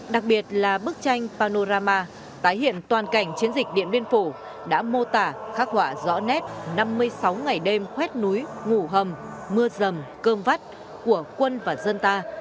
đặc biệt là bức tranh panorama tái hiện toàn cảnh chiến dịch điện biên phủ đã mô tả khắc họa rõ nét năm mươi sáu ngày đêm khuét núi ngủ hầm mưa rầm cơm vắt của quân và dân ta